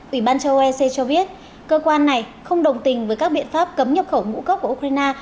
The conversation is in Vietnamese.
ủy ban châu âu ec cho biết cơ quan này không đồng tình với các biện pháp cấm nhập khẩu ngũ cốc của ukraine